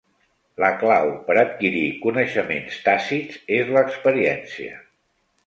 La clau per adquirir coneixements tàcits és l'experiència.